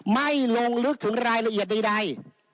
ไม่ลงลึกถึงรายละเอียดใด